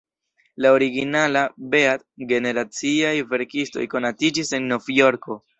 La originala "Beat"-generaciaj verkistoj konatiĝis en Novjorko.